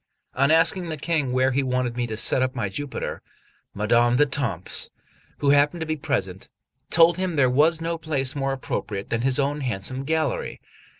On asking the King where he wanted me to set up my Jupiter, Madame d'Etampes, who happened to be present, told him there was no place more appropriate than his own handsome gallery.